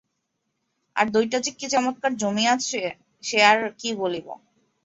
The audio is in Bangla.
আর দইটা যে কী চমৎকার জমিয়াছে সে আর কী বলিব।